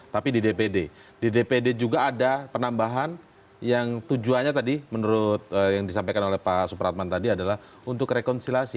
tapi di dpr juga ada penambahan yang tujuannya tadi menurut yang disampaikan oleh pak supratman tadi adalah untuk rekonsilasi